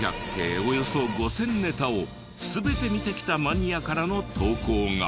およそ５０００ネタを全て見てきたマニアからの投稿が。